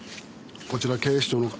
こちら警視庁の。